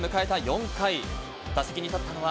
４回、打席に立ったのは